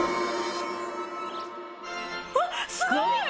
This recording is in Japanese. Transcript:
うわっすごい！